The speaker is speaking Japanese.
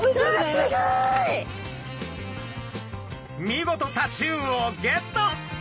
見事タチウオをゲット！